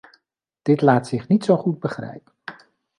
Dit laat zich niet zo goed begrijpen.